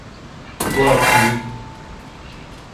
گوا تھون